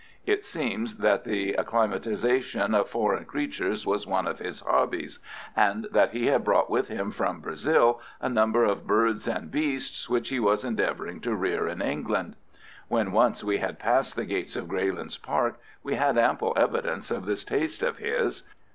It seems that the acclimatization of foreign creatures was one of his hobbies, and that he had brought with him from Brazil a number of birds and beasts which he was endeavouring to rear in England. When once we had passed the gates of Greylands Park we had ample evidence of this taste of his.